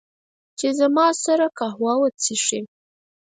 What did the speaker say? چې، زما سره قهوه وچښي